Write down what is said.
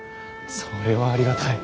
それはありがたい。